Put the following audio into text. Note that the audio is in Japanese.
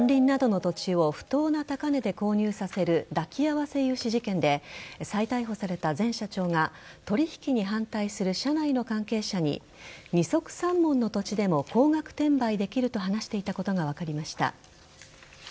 山林などの土地を不当な高値で購入させる抱き合わせ融資事件で再逮捕された前社長が取引に反対する社内の関係者に二束三文の土地でも高額転売できると話していたことが分かりました。